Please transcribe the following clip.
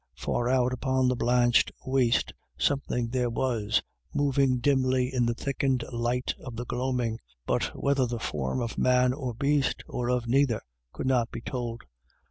Far out upon the blanched waste something there was, moving dimly in the thickened light of the gloaming, but whether the form of man or beast, or of neither, could not be told.